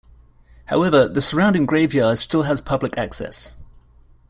However, the surrounding graveyard still has public access.